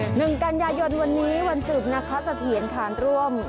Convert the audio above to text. ดังนึงกันยายนวันนี้วันสูตรนะคะสัตว์เหรียญทางดร่วม